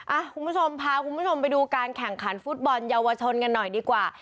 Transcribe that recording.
คุณผู้ชมพาคุณผู้ชมไปดูการแข่งขันฟุตบอลเยาวชนกันหน่อยดีกว่า